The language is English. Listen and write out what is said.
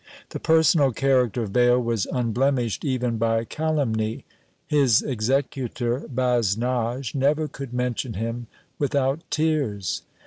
The personal character of Bayle was unblemished even by calumny; his executor, Basnage, never could mention him without tears!